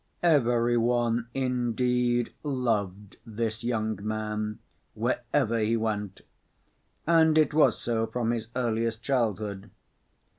Every one, indeed, loved this young man wherever he went, and it was so from his earliest childhood.